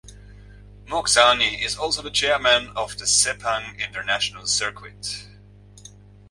Mokhzani is also the chairman of the Sepang International Circuit.